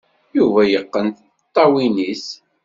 Yuba yeqqen tiṭṭawin-is.